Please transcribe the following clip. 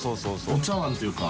お茶わんというか。